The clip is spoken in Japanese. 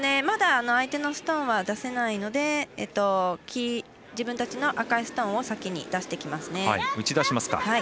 まだ相手のストーンは出せないので自分たちの赤いストーンを先に出してきますね。